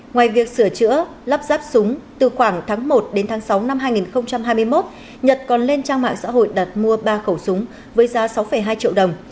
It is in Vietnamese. ngoài việc sửa chữa lắp ráp súng từ khoảng tháng một đến tháng sáu năm hai nghìn hai mươi một nhật còn lên trang mạng xã hội đặt mua ba khẩu súng với giá sáu hai triệu đồng